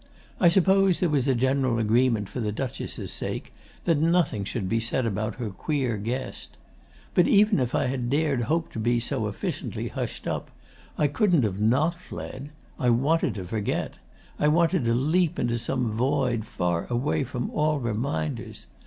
I suppose there was a general agreement for the Duchess' sake that nothing should be said about her queer guest. But even if I had dared hope to be so efficiently hushed up, I couldn't have not fled. I wanted to forget. I wanted to leap into some void, far away from all reminders.